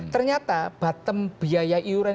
ternyata bottom biaya iuran